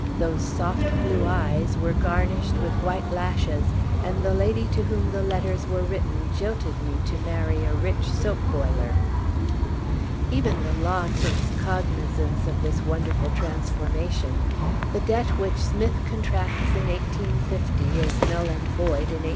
'Those soft blue eyes' were garnished with white lashes, and the lady to whom the letters were written jilted me to marry a rich soap boiler." Even Page 139 the law takes cognizance of this wonderful transformation. The debt which Smith contracts in 1850 is null and void in 1857.